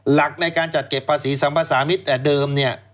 หลักในการจัดเก็บภาษีสัมภาษามิตรแต่เดิมเนี่ย